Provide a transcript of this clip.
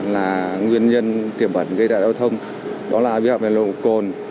là nguyên nhân tiềm bẩn gây ra giao thông đó là vi phạm về lộ cồn